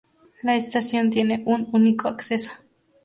La estación tiene un único acceso.